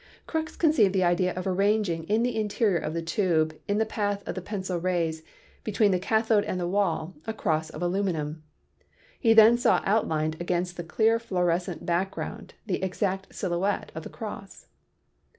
Crookes conceived the idea of arranging in the interior of the tube, in the path of the pencil of rays between the cathode and the wall, a cross of aluminum. He then saw outlined against the clear fluorescent background the exact silhouette of the cross.